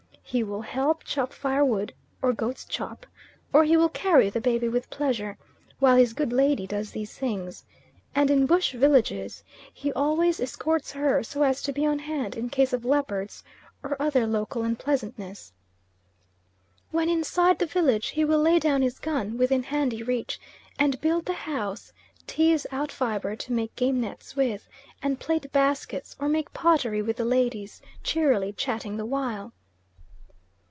He will help chop firewood, or goat's chop, or he will carry the baby with pleasure, while his good lady does these things; and in bush villages, he always escorts her so as to be on hand in case of leopards, or other local unpleasantnesses. When inside the village he will lay down his gun, within handy reach, and build the house, tease out fibre to make game nets with, and plait baskets, or make pottery with the ladies, cheerily chatting the while.